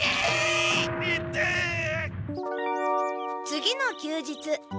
次の休日